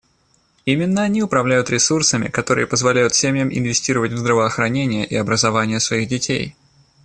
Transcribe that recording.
Именно они управляют ресурсами, которые позволяют семьям инвестировать в здравоохранение и образование своих детей.